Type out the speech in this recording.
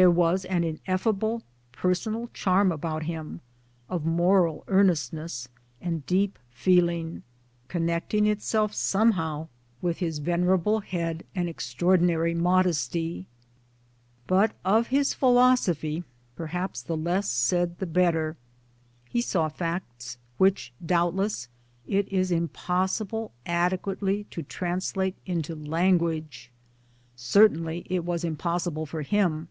There was an ineffable personal charm about him, of moral earnestness and deep feeling, connecting itself somehow with his lofty 5 6 MY, DAYS AND DREAMS venerable head and extraordinary modesty. But of his philosophy perhaps the less said the better. He saw facts which doubtless it is impossible adequately to translate into language. Certainly it was impos sible for him.